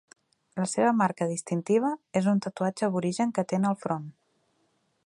La seva marca distintiva és un tatuatge aborigen que té en el front.